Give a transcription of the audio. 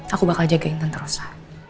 aku bakal jagain tante rosa